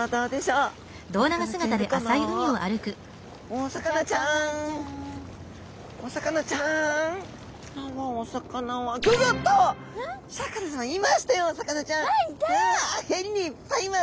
うわへりにいっぱいいます！